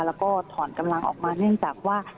แล้วก็ถอนกำลังออกมาเนื่องจากว่า